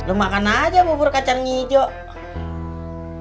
lo makan aja bubur kacang hijau